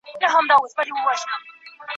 بوډا په ټولو کي پردی سړی لیدلای نه سو